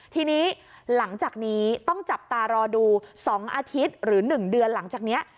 ทีนี้หลังจากนี้ต้องจับตารอดู๒อาทิตย์หรือ๑เดือนหลังจากนี้